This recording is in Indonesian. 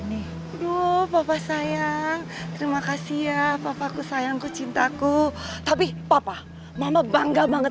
hai duho papa sayang terima kasih ya papaku sayangku cintaku tapi papa mama bangga banget